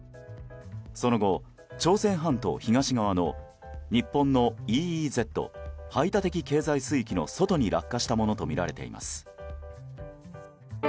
その後、朝鮮半島東側の日本のＥＥＺ・排他的経済水域の外に落下したものとみられています。